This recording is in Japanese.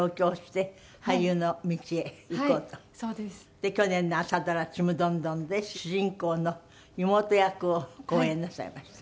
で去年の朝ドラ『ちむどんどん』で主人公の妹役を好演なさいました。